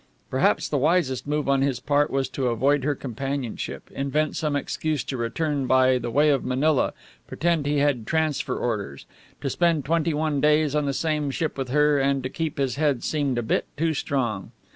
Perhaps the wisest move on his part was to avoid her companionship, invent some excuse to return by the way of Manila, pretend he had transfer orders. To spend twenty one days on the same ship with her and to keep his head seemed a bit too strong.